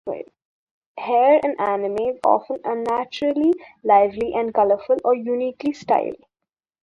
Hair in anime is often unnaturally lively and colorful or uniquely styled.